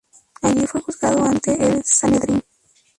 Allí fue juzgado ante el Sanedrín.